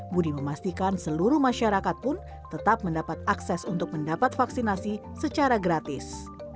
budi memastikan seluruh masyarakat pun tetap mendapat akses untuk mendapat vaksinasi secara gratis